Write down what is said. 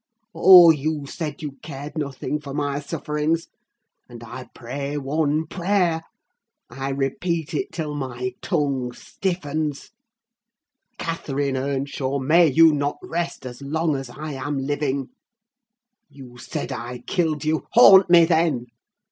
Oh! you said you cared nothing for my sufferings! And I pray one prayer—I repeat it till my tongue stiffens—Catherine Earnshaw, may you not rest as long as I am living; you said I killed you—haunt me, then!